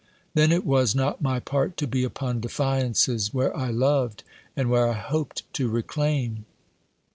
Then it was not my part to be upon defiances, where I loved, and where I hoped to reclaim.